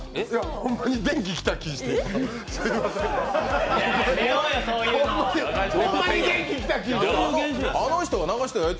ホンマに電気来た気がして。